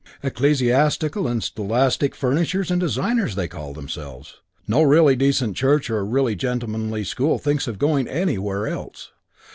'Ecclesiastical and Scholastic Furnishers and Designers' they call themselves. And they're IT. No really decent church or really gentlemanly school thinks of going anywhere else.